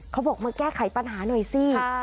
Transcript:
เขาบอกมาแก้ไขปัญหาหน่อยสิ